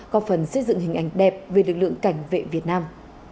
có phần xây dựng hình ảnh đẹp về lực lượng cảnh vệ việt nam